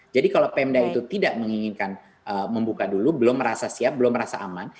jadi kalau pemda itu tidak menginginkan membuka dulu belum merasa siap belum merasa aman